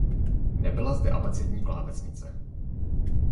Nebyla zde abecední klávesnice.